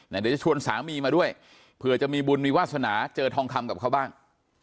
เดี๋ยวจะชวนสามีมาด้วยเผื่อจะมีบุญมีวาสนาเจอทองคำกับเขาบ้าง